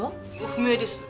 不明です。